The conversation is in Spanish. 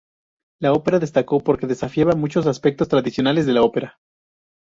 La ópera destacó porque desafiaba muchas aspectos tradicionales de la ópera.